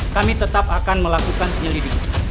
kami tetap akan melakukan penyelidikan